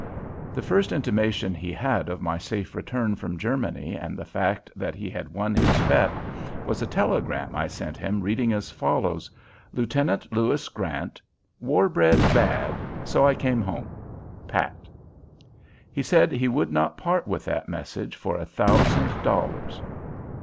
The first intimation he had of my safe return from Germany and the fact that he had won his bet was a telegram I sent him reading as follows: Lieutenant Louis Grant: War bread bad, so I came home. PAT. He said he would not part with that message for a thousand dollars.